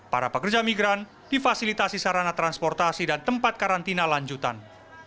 para pekerja migran difasilitasi sarana transportasi dan tempat karantina lanjutan